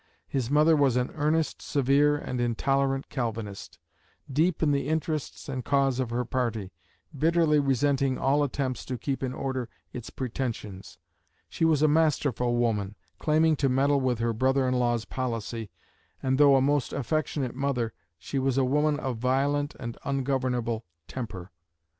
His mother was an earnest, severe, and intolerant Calvinist, deep in the interests and cause of her party, bitterly resenting all attempts to keep in order its pretensions. She was a masterful woman, claiming to meddle with her brother in law's policy, and though a most affectionate mother she was a woman of violent and ungovernable temper.